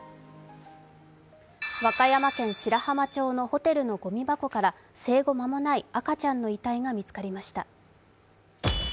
和歌山県白浜町のホテルのごみ箱から生後間もない赤ちゃんの遺体が見つかりました。